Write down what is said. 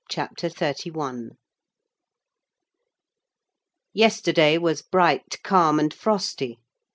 CHAPTER XXXI Yesterday was bright, calm, and frosty.